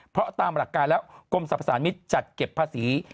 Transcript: เพราะตามหลักการแล้วกรมสรรพสารมิตรจัดเก็บภาษี